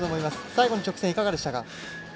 最後の直線はいかがでしたか？